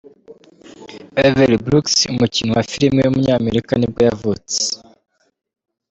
Avery Brooks, umukinnyi wa film w’umunyamerika nibwo yavutse.